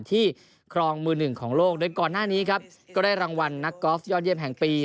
ครองมือหนึ่งของโลกโดยก่อนหน้านี้ครับก็ได้รางวัลนักกอล์ฟยอดเยี่ยมแห่งปี